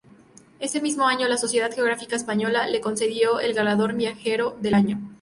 Ese mismo año, la Sociedad Geográfica Española le concedió el galardón "Viajero del año".